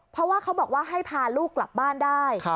เพราะว่าเขาบอกว่าให้พาลูกกลับบ้านได้